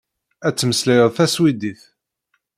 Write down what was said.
Ad temmeslayeḍ taswidit.